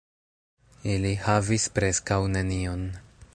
Ili havis preskaŭ nenion.